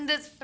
eh itu siapa